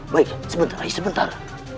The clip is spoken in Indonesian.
baik sebentar rai sebentar